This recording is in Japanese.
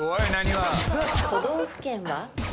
都道府県は？